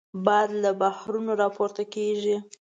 باد له بحرونو راپورته کېږي